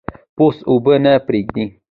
پوست اوبه نه پرېږدي.